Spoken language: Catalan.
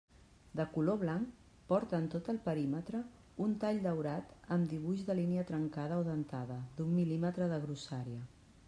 De color blanc, porta en tot el perímetre un tall daurat amb dibuix de línia trencada o dentada d'un mil·límetre de grossària.